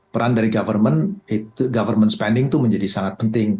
peran dari pemerintah pengebanaan pemerintah itu menjadi sangat penting